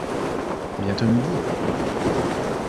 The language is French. Bientôt midi!